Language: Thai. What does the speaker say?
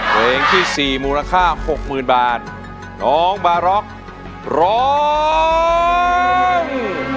เพลงที่สี่มูลค่าหกหมื่นบาทน้องบาร็อกร้อง